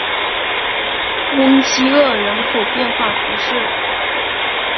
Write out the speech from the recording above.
翁西厄人口变化图示